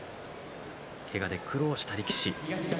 けがで苦労した力士。